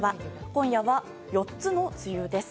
今夜は４つの梅雨です。